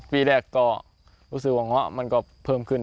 ปีแรกก็รู้สึกว่าเงาะมันก็เพิ่มขึ้น